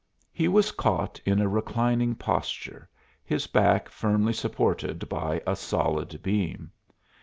He was caught in a reclining posture, his back firmly supported by a solid beam.